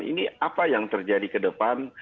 ini apa yang terjadi ke depan